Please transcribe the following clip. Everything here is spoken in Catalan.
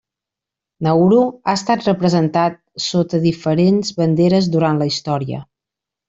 Nauru, ha estat representat sota diferents banderes durant la història.